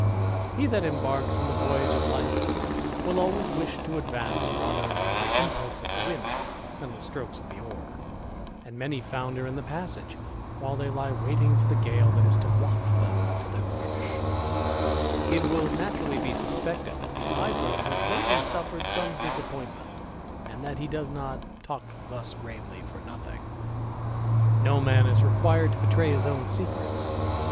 He that embarks in voyage of life, will always wish to advance rather by impulse of the wind than the strokes of the oar; many founder in the passage, while they lie waiting le gale that is to waft them to their wish, will naturally be suspected that the Idler has lately red some disappointment, and that he does not talk 28o THE IDLER. thus gravely for nothing. No man is required to betraj his own secrets.